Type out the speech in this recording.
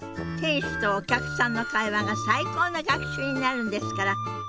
店主とお客さんの会話が最高の学習になるんですから。